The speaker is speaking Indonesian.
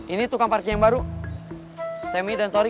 ini tukang parking yang baru semih dan torik